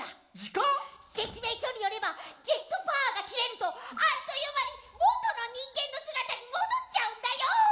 説明書によればＺパワーが切れるとあっという間に元の人間の姿に戻っちゃうんだよ！